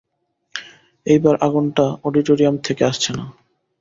এইবার আগুনটা অডিটোরিয়াম থেকে আসছে না।